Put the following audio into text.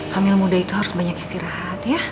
hamil muda itu harus banyak istirahat ya